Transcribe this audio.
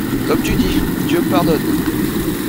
Comme tu dis, Dieu me pardonne!